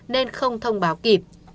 nên không thông báo kịp